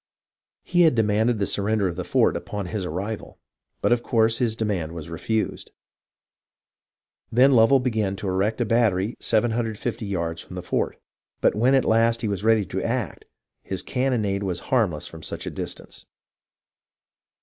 He had demanded the sur render of the fort upon his arrival, but of course his demand was refused. Then Lovell began to erect a battery 750 yards from the fort, but when at last he was ready to act his cannonade was harmless from such a distance.